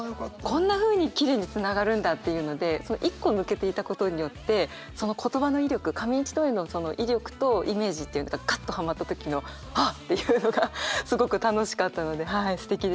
こんなふうにきれいにつながるんだっていうので一個抜けていたことによってその言葉の威力紙一重の威力とイメージっていうのがガッとハマった時のああっていうのがすごく楽しかったのですてきでした。